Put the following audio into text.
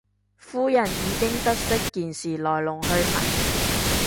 夫人已經得悉件事來龍去脈